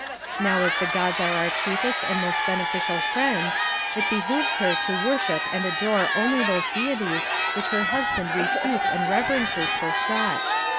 Now as the Gods are our chiefest and most beneficial friends, it be hooves her to worship and adore only those Deities which her husband reputes and reverences for such.